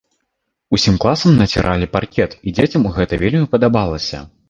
Усім класам націралі паркет, і дзецям гэта вельмі падабалася.